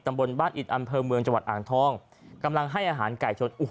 ตำบลบ้านอิตอันเพิร์นเมืองจังหวัดอ่างท่องกำลังให้อาหารไก่ชน